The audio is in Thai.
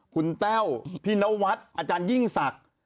คุณแต้วพี่นวัดอาจารยิ่งศักดิ์